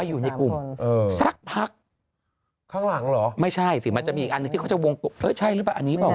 อืมสักพักข้างหลังเหรอไม่ใช่สิมันจะมีอันนี้เจ้าวงใช่หรืออันนี้บ้าง